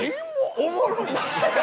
おもろい？